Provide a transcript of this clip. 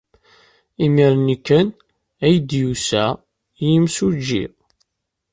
Imir-nni kan ay d-yusa yimsujji.